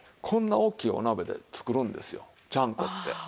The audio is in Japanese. こんな大きいお鍋で作るんですよちゃんこって。